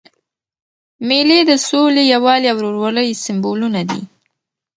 مېلې د سولي، یووالي او ورورولۍ سېمبولونه دي.